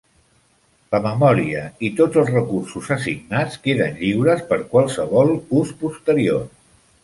La memòria i tots els recursos assignats queden lliures per qualsevol ús posterior.